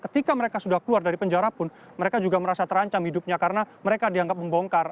ketika mereka sudah keluar dari penjara pun mereka juga merasa terancam hidupnya karena mereka dianggap membongkar